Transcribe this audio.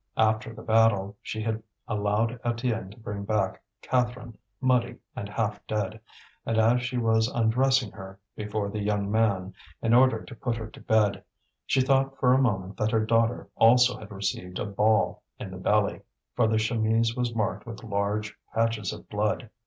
After the battle, she had allowed Étienne to bring back Catherine muddy and half dead; and as she was undressing her, before the young man, in order to put her to bed, she thought for a moment that her daughter also had received a ball in the belly, for the chemise was marked with large patches of blood.